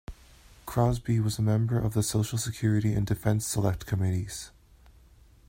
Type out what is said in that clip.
Crausby was a member of the Social Security and Defence Select Committees.